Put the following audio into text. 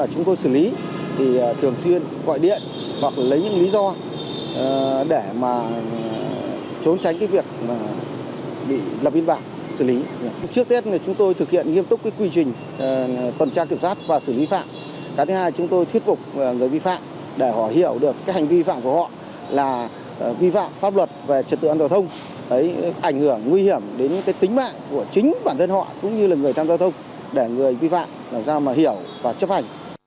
họ là vi phạm pháp luật về chất tự an toàn giao thông ảnh hưởng nguy hiểm đến tính mạng của chính bản thân họ cũng như là người tham gia giao thông để người vi phạm làm sao mà hiểu và chấp hành